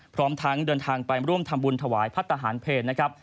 พร้อมทั้งเดินทางไปร่วมทำบุญถวายพัทธาหารเพชร